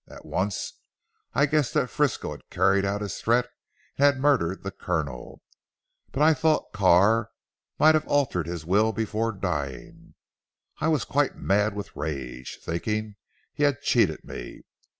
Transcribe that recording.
At once I guessed that Frisco had carried out his threat and had murdered the Colonel. But I thought Carr might have altered his will before dying. I was quite mad with rage, thinking he had cheated me.